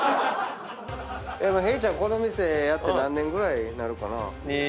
平ちゃんこの店やって何年ぐらいになるかな？